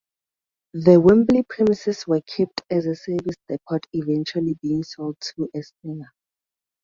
The Wembley premises were kept as a service depot eventually being sold to Singer.